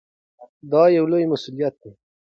دا یو لوی مسؤلیت دی.